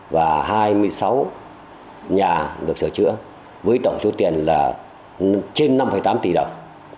và hai mươi sáu nhà được sửa chữa với tổng số tiền là trên năm tám tỷ đồng